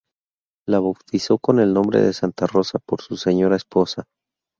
La bautizó con el nombre de Santa Rosa por su señora esposa.